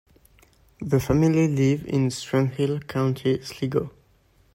The family live in Strandhill, County Sligo.